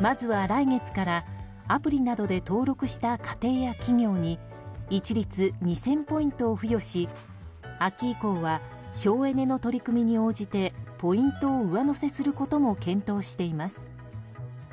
まずは来月からアプリなどで登録した家庭や企業に一律２０００ポイントを付与し秋以降は省エネの取り組みに応じてポイントを上乗せすることも検討しています。